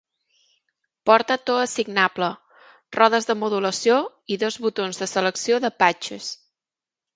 Porta to assignable, rodes de modulació i dos botons de selecció de "patches".